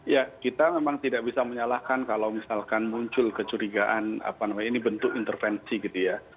ya kita memang tidak bisa menyalahkan kalau misalkan muncul kecurigaan apa namanya ini bentuk intervensi gitu ya